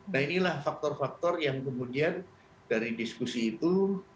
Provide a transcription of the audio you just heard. nah inilah faktor faktor yang kemudian dari diskusi itu